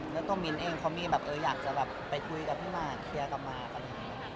แล้วตัวมิ้นเองเขามีแบบเอออยากจะไปคุยกับพี่มารเคลียร์กับมารปะหนึ่ง